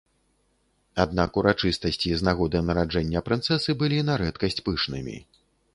Аднак урачыстасці з нагоды нараджэння прынцэсы былі на рэдкасць пышнымі.